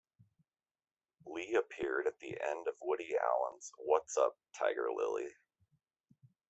Lee appeared at the end of Woody Allen's What's Up, Tiger Lily?